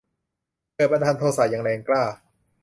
เกิดบันดาลโทสะอย่างแรงกล้า